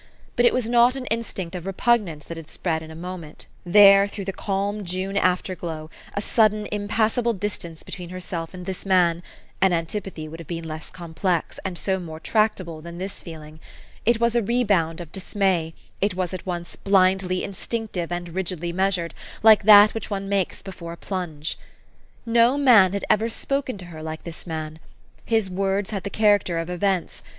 But it was not an instinct of repugnance that had spread in a moment there, through the calm June afterglow a sudden impassable distance between herself and this man (an antipathy would have been less complex, and so more tractable, than this feeling) : it was a rebound of dismay ; it was at once blindly instinctive and rigidly measured, like that which one makes before a plunge. No man had ever spoken to her like this man. His words had the character of events.